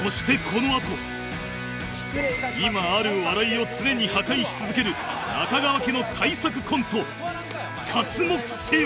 今ある笑いを常に破壊し続ける中川家の大作コント刮目せよ！